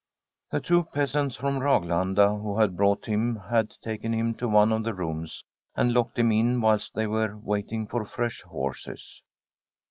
The two peasants from Raglanda who had brought him had taken him to one of the rooms and locked him in whilst they were waiting for fresh horses.